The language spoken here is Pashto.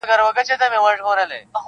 خو په واشنګټن او د نړۍ په نورو سیمو کي -